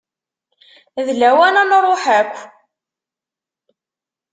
D lawan ad nruḥ akk.